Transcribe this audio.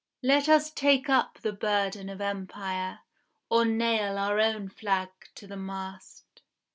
Let us take up the burden of empire, Or nail our own flag to the mast.